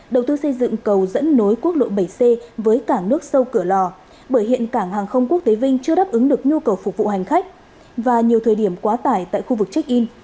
đầu tư xây dựng cầu dẫn nối quốc lộ bảy c với cảng nước sâu cửa lò bởi hiện cảng hàng không quốc tế vinh chưa đáp ứng được nhu cầu phục vụ hành khách và nhiều thời điểm quá tải tại khu vực check in